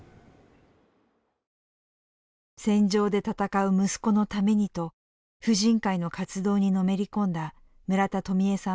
戦場で戦う息子のためにと婦人会の活動にのめり込んだ村田とみゑさんもその一人です。